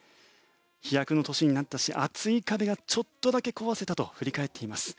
飛躍の年になったし厚い壁がちょっとだけ壊せたと振り返っていました。